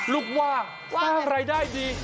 ลูกว่าสร้างรายได้ดี